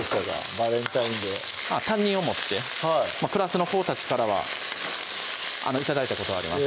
バレンタインデー担任を持ってクラスの子たちからは頂いたことはあります